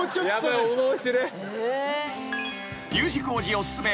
［Ｕ字工事お薦め